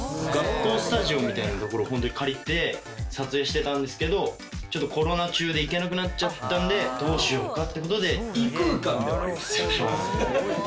学校スタジオみたいな所を本当に借りて撮影してたんですけど、ちょっとコロナ中で行けなくなっちゃったんで、どうしようかって異空間。